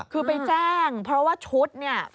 คือไปแจ้งเพราะว่าชุดเนี่ย